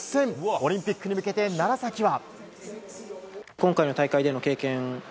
オリンピックに向けて楢崎は。